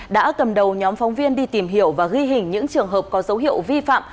đã cầm đầu nhóm phóng viên đi tìm hiểu và ghi hình những trường hợp có dấu hiệu vi phạm